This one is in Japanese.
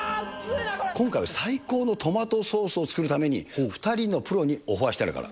今回は最高のトマトソースを作るために、２人のプロにオファーしてあるから。